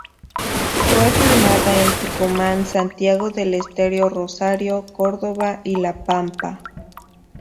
Fue filmada en Tucumán, Santiago del Estero, Rosario, Córdoba y La Pampa.